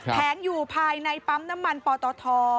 แงอยู่ภายในปั๊มน้ำมันปตท